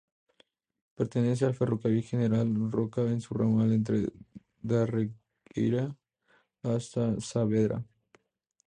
Pertenece al Ferrocarril General Roca en su ramal entre Darregueira hasta y Saavedra.